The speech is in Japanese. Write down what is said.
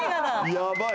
やばい。